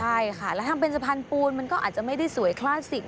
ใช่ค่ะแล้วทำเป็นสะพานปูนมันก็อาจจะไม่ได้สวยคลาสสิก